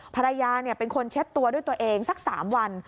ภรรยาเป็นคนเช็ดตัวด้วยตัวเองสัก๓วัน